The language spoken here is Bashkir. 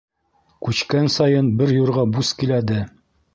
Күчкән сайын бер юрға бус киләде.